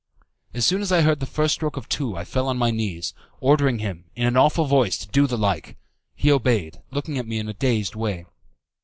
As soon as I heard the first stroke of two I fell on my knees, ordering him, in an awful voice, to do the like. He obeyed, looking at me in a dazed way.